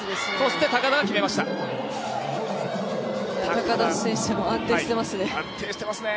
高田選手も安定しますね。